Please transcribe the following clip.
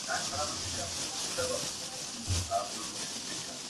• ستا له باړخو ستا له نتکۍ ستا له پېزوانه سره -